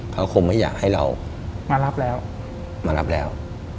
เขาคงไม่อยากให้เรามารับแล้ว